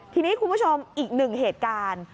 ทีนี้คุณผู้ชมอีกหนึ่งเหตุการณ์